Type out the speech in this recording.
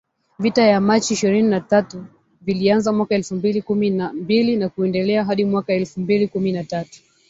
Vita vya Machi ishirini na tatu vilianza mwaka elfu mbili kumi na mbili na kuendelea hadi mwaka elfu mbili kumi na tatu